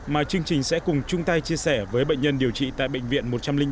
mà chương trình sẽ cùng chung tay chia sẻ với bệnh nhân điều trị tại bệnh viện một trăm linh năm